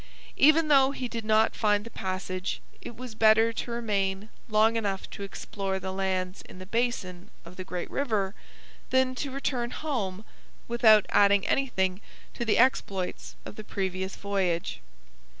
Even though he did not find the passage, it was better to remain long enough to explore the lands in the basin of the great river than to return home without adding anything to the exploits of the previous voyage.